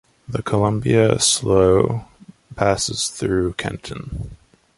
The Columbia Slough passes through Kenton.